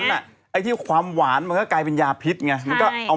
หรือว่าถ้าเกิดเราไม่ได้มีเงินมีทอง